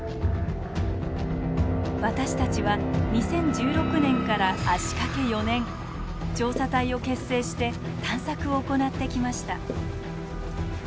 私たちは２０１６年から足かけ４年調査隊を結成して探索を行ってきました。